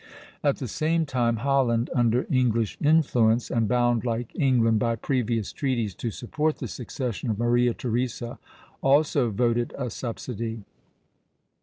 At the same time Holland, under English influence, and bound like England by previous treaties to support the succession of Maria Theresa, also voted a subsidy.